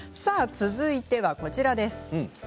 続いてはこちらです。